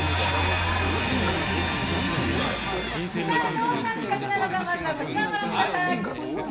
どんな企画なのかまずはこちらをご覧ください。